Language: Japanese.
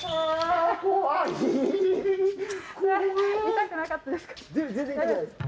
痛くなかったですか？